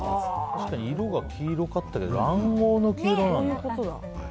確かに色が黄色かったけど卵黄の黄色なんだね。